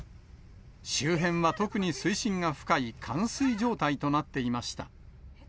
周辺は特に水深が深い冠水状態となっていました。